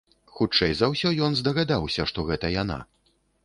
Хутчэй за ўсё ён здагадаўся, што гэта яна.